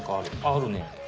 あるね。